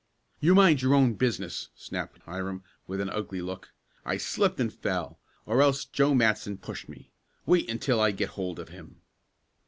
"You mind your own business!" snapped Hiram with an ugly look. "I slipped and fell, or else Joe Matson pushed me. Wait until I get hold of him."